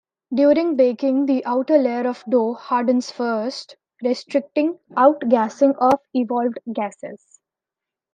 During baking, the outer layer of dough hardens first, restricting out-gassing of evolved gasses.